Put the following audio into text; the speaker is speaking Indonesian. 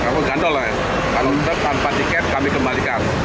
kalau gandol kan kalau truk tanpa tiket kami kembalikan